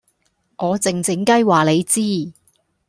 我靜靜雞話你知